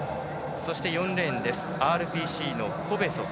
そして４レーンＲＰＣのコベソフ。